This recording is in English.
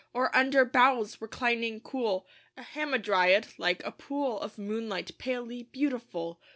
Or under boughs, reclining cool, A Hamadryad, like a pool Of moonlight, palely beautiful?